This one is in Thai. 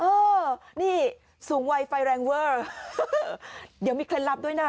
เออนี่สูงวัยไฟแรงเวอร์เดี๋ยวมีเคล็ดลับด้วยนะ